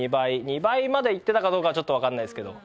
２倍までいってたかどうかはちょっとわからないですけど。